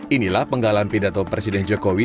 inilah penggalan pidato presiden jokowi